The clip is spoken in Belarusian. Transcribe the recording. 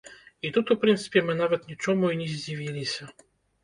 І тут, у прынцыпе, мы нават нічому і не здзівіліся.